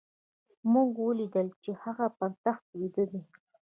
موږ وليدل چې هغه پر تخت ويده دی.